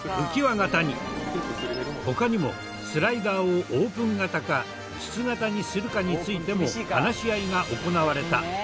他にもスライダーをオープン型か筒型にするかについても話し合いが行われた。